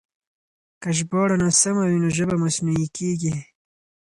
که ژباړه ناسمه وي نو ژبه مصنوعي کېږي.